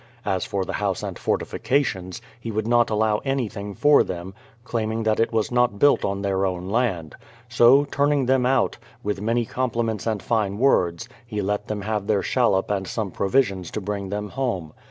As for the house and fortifications, he would not allow anything for them, claiming that it was not built on their own land. So, turning them out, with many com pliments and fine words, he let them have their shallop and some provisions to bring them home.